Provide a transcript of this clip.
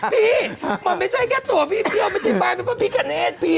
พี่มันไม่ใช่แค่ตัวพี่เบี้ยวไปใช่ไหมพระพิการเนศ